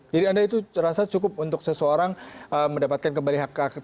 jadi anda itu rasa cukup untuk seseorang mendapatkan kembali hak hak politik mereka